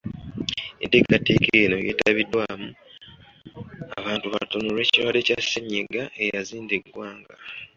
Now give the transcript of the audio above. Enteekateeka eno yeetabiddwamu abantu batono olw’ekirwadde kya ssennyiga eyazinda eggwanga.